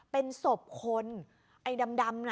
เป็นศพคนไอ้ดำน่ะ